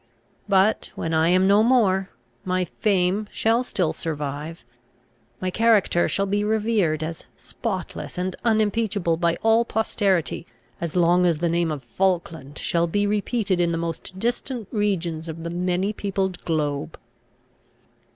But, when I am no more, my fame shall still survive. My character shall be revered as spotless and unimpeachable by all posterity, as long as the name of Falkland shall be repeated in the most distant regions of the many peopled globe."